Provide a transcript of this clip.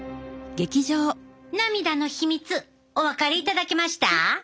涙の秘密お分かりいただけました？